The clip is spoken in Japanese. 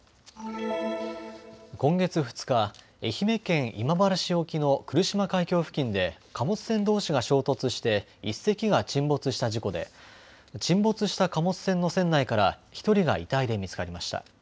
今月２日、愛媛県今治市沖の来島海峡付近で貨物船どうしが衝突して１隻が沈没した事故で沈没した貨物船の船内から１人が遺体で見つかりました。